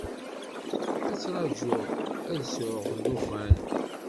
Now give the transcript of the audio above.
Ad ttraǧuɣ ad sɛuɣ llufan.